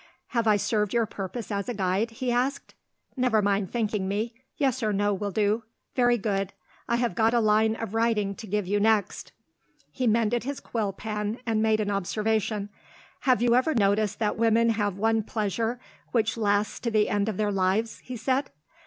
"Have I served your purpose as a guide?" he asked. "Never mind thanking me. Yes or no will do. Very good. I have got a line of writing to give you next." He mended his quill pen, and made an observation. "Have you ever noticed that women have one pleasure which lasts to the end of their lives?" he said.